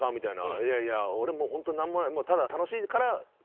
「いやいや俺ホント何もない」。